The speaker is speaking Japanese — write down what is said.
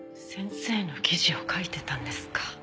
先生の記事を書いてたんですか。